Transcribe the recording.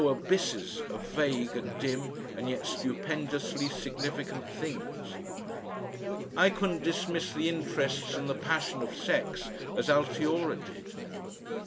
abysses of vague and dim, and yet stupendously significant things. I couldn't dismiss the interests and the passion of sex as Altiora did.